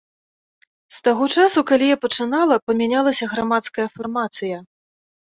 З таго часу, калі я пачынала, памянялася грамадская фармацыя.